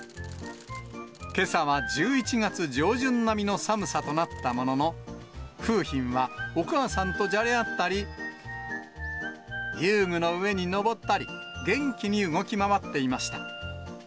けさは１１月上旬並みの寒さとなったものの、楓浜はお母さんとじゃれ合ったり、遊具の上に上ったり、元気に動き回っていました。